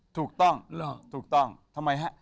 ถูกต้องถูกต้องทำไมฮะ